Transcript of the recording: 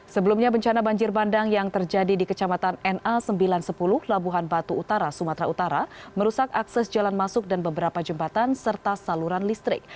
sebelumnya bencana banjir bandang yang terjadi di kecamatan na sembilan ratus sepuluh labuhan batu utara sumatera utara merusak akses jalan masuk dan beberapa jembatan serta saluran listrik